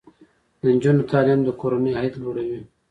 د نجونو تعلیم د کورنۍ عاید لوړوي.